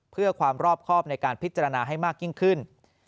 เพื่อความรอบครอบในการพิจารณาให้มากยิ่งขึ้น